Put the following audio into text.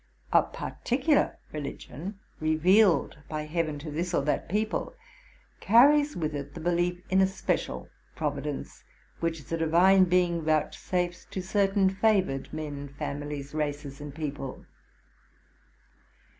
A particular religion, revealed by Heaven to this or that people, carries with it the belief in RELATING TO MY LIFE. Att a special providence, which the Divine Being vouchsafes to certain favored men, families, races, and people.